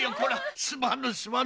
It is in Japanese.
すまぬすまぬ！